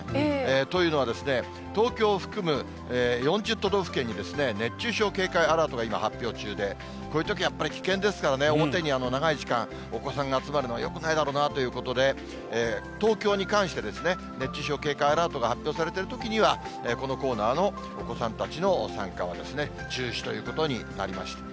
というのは、東京を含む４０都道府県に熱中症警戒アラートが今、発表中で、こういうときやっぱり危険ですからね、表に長い時間、お子さんが集まるのはよくないなということで、東京に関して、熱中症警戒アラートが発表されてるときには、このコーナーのお子さんたちの参加は中止ということになりました。